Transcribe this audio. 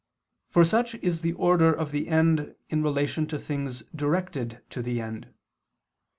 For such is the order of the end in relation to things directed to the end.